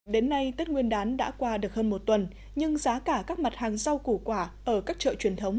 đến nay tết nguyên đán đã qua được hơn một tuần nhưng giá cả các mặt hàng rau củ quả ở các chợ truyền thống